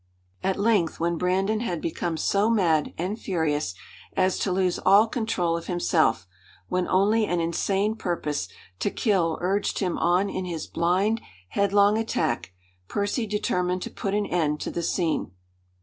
At length, when Brandon had become so mad and furious as to lose all control of himself, when only an insane purpose to kill urged him on in his blind, headlong attack, Percy determined to put an end to the scene.